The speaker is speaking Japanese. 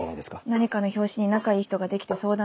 何かの拍子に仲いい人ができて相談したり。